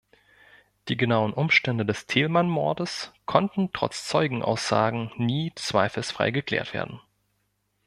Die genauen Umstände des Thälmann-Mordes konnten trotz Zeugenaussagen nie zweifelsfrei geklärt werden.